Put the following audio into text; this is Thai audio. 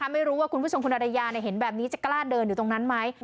ไม่รู้ว่าคุณผู้ชมคุณอรยาเห็นแบบนี้จะกล้าเดินอยู่ตรงนั้นไหม